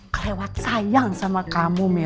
kelewat sayang sama kamu